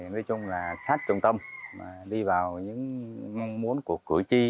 thì nói chung là sát trọng tâm đi vào những mong muốn của cử tri